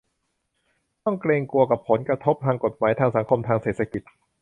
ต้องเกรงกลัวกับผลกระทบทางกฎหมาย ทางสังคม ทางเศรษฐกิจ